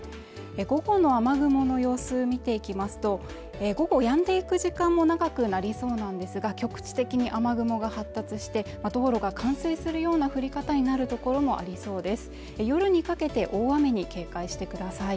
午後の雨雲の様子見ていきますと午後やんでい時間も長くなりそうなんですが局地的に雨雲が発達してあところが完成するような降り方になる所もありそうですが夜にかけて大雨に警戒してください